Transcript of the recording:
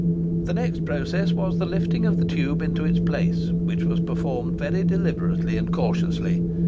The next process was the lifting of the tube into its place, which was performed very deliberately and cautiously.